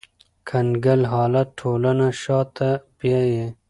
کنګل حالت ټولنه شاته بیایي